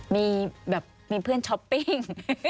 มีแบบมีเพื่อนช้อปปิ้ง